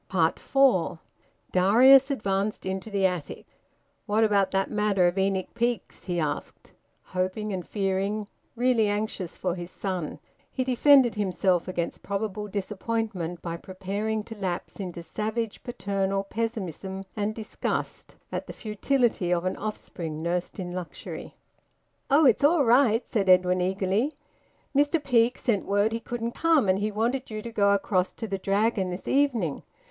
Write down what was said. FOUR. Darius advanced into the attic. "What about that matter of Enoch Peake's?" he asked, hoping and fearing, really anxious for his son. He defended himself against probable disappointment by preparing to lapse into savage paternal pessimism and disgust at the futility of an offspring nursed in luxury. "Oh! It's all right," said Edwin eagerly. "Mr Peake sent word he couldn't come, and he wanted you to go across to the Dragon this evening.